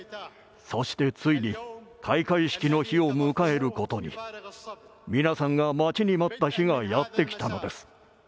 そしてついに開会式の日を迎えることに皆さんが待ちに待った日がやってきたのです。